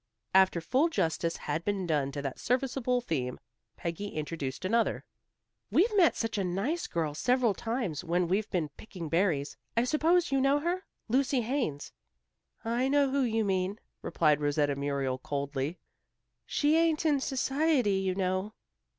After full justice had been done to that serviceable theme, Peggy introduced another. "We've met such a nice girl several times when we've been picking berries. I suppose you know her? Lucy Haines." "I know who you mean," replied Rosetta Muriel coldly. "She ain't in society, you know."